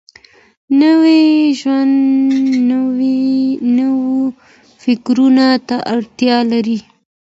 نوی ژوند نويو فکرونو ته اړتيا لري.